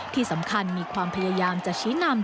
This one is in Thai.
ที่สำคัญมีความพยายามจะชี้นำ